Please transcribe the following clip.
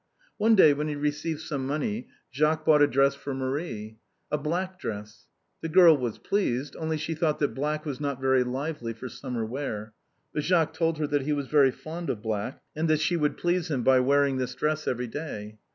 One day when he received some money Jacques bought a dress for Marie — a black dress. The girl was pleased, only she thought that black was not very lively for sum mer wear. But Jacques told her that he was very fond of black, and that she would please him by wearing this dress every day.